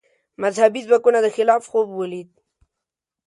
مذهبي ځواکونو د خلافت خوب ولید